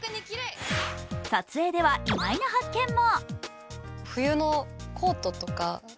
撮影では意外な発見も。